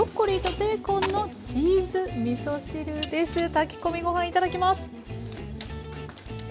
炊き込みご飯いただきます。